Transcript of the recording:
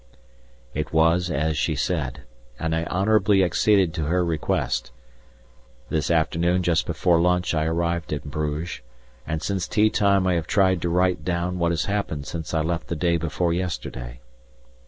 It was as she said, and I honourably acceded to her request. This afternoon just before lunch I arrived in Bruges, and since tea time I have tried to write down what has happened since I left the day before yesterday.